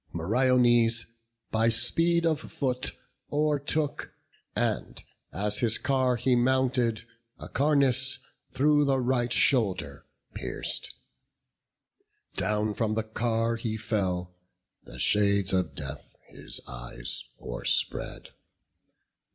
Meriones by speed of foot o'ertook, And, as his car he mounted, Acarnas Though the right shoulder pierc'd; down from the car He fell; the shades of death his eyes o'erspread.